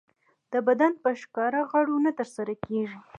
د بدن په ښکاره غړو نه ترسره کېږي.